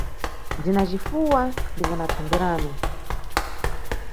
Ndina cifuwa ndipo na thangweranu.